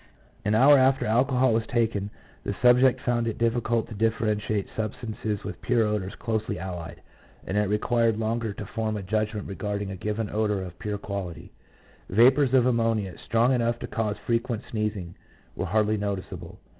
An hour after alcohol was taken the subject found it difficult to differentiate sub stances with pure odours closely allied, and it required longer to form a judgment regarding a given odour of pure quality; vapours of ammonia, strong enough to cause frequent sneezing, were hardly noticeable.